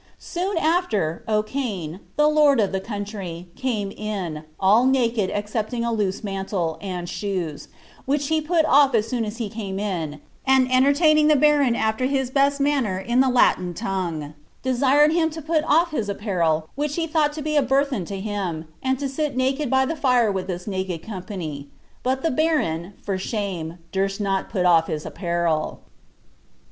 Soon after, Ocane, the lord of the country, came in, all naked excepting a loose mantle, and shoes, which he put off as soon as he came in, and entertaining the baron after his best manner in the Latin tongue, desired him to put off his apparel, which he thought to be a burthen to him, and to sit naked by the fire with this naked company. But the baron... for shame, durst not put off his apparel."